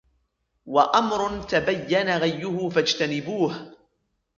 وَأَمْرٌ تَبَيَّنَ غَيُّهُ فَاجْتَنِبُوهُ